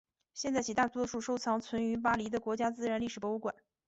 现在起大多数收藏存于巴黎的国家自然历史博物馆。